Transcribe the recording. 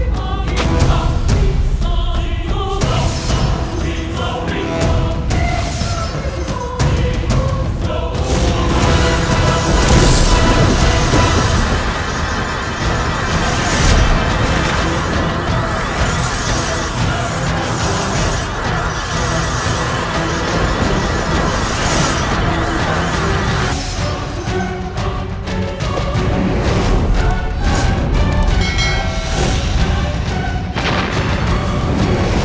terima kasih tuhan